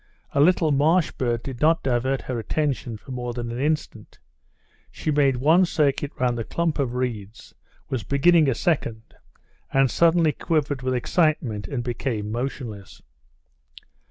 A little marsh bird did not divert her attention for more than an instant. She made one circuit round the clump of reeds, was beginning a second, and suddenly quivered with excitement and became motionless.